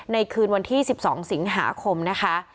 คืนวันที่๑๒สิงหาคมนะคะ